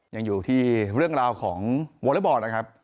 ยังอยู่ที่เรื่องราวของวอเล็กบอลนะครับ